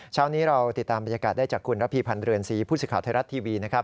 เช้านี้เราติดตามบรรยากาศได้จากคุณรพีพันธ์เรือนสีพูดสิทธิ์ข่าวไทยรัฐทีวี